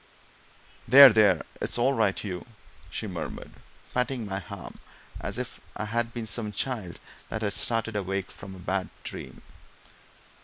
"There, there, it's all right, Hugh!" she murmured, patting my arm as if I had been some child that had just started awake from a bad dream.